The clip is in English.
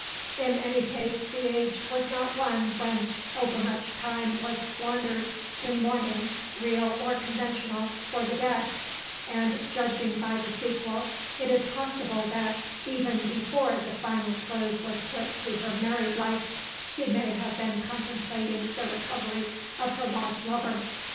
In any case the age was not one when overmuch time was squandered in mourning, real or conventional, for the dead; and, judging by the sequel, it is possible that, even before the final close was put to her married life, she may have been contemplating the recovery of her lost lover.